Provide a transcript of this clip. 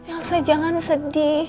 elsa jangan sedih